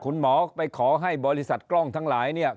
คุณหมอไปขอให้บริษัทกล้องทั้งหลายเนี่ย